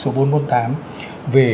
số bốn trăm bốn mươi tám về